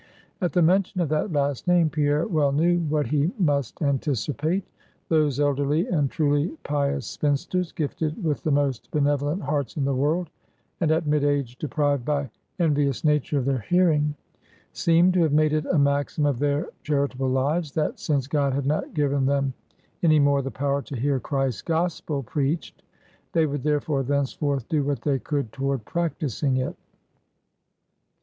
At the mention of that last name, Pierre well knew what he must anticipate. Those elderly and truly pious spinsters, gifted with the most benevolent hearts in the world, and at mid age deprived by envious nature of their hearing, seemed to have made it a maxim of their charitable lives, that since God had not given them any more the power to hear Christ's gospel preached, they would therefore thenceforth do what they could toward practicing it.